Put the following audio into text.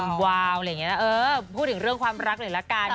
ฉ่ำวาวหรืออย่างนี้นะเออพูดถึงเรื่องความรักหนึ่งละกัน